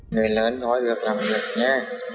người lớn nói được làm được nhé